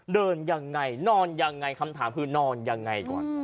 เดินยังไงนอนยังไงคำถามคือนอนยังไงก่อน